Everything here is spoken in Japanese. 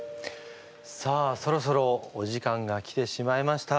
さあそろそろお時間が来てしまいました。